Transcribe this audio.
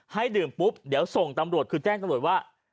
ให้ดื่มปุ๊บเดี๋ยวส่งตำรวจคือแจ้งตำรวจว่า